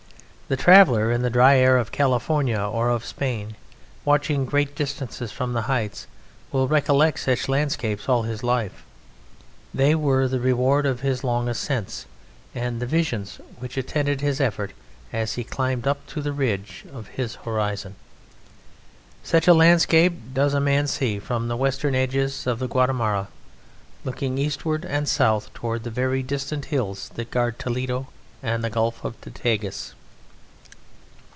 The traveller in the dry air of California or of Spain, watching great distances from the heights, will recollect such landscapes all his life. They were the reward of his long ascents and the visions which attended his effort as he climbed up to the ridge of his horizon. Such a landscape does a man see from the Western edges of the Guadarrama, looking eastward and south toward the very distant hills that guard Toledo and the Gulf of the Tagus.